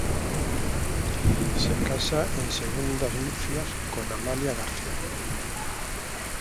Se casa en segundas nupcias con Amalia García.